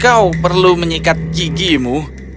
kau perlu menyikat gigimu